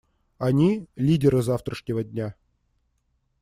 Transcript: Они — лидеры завтрашнего дня.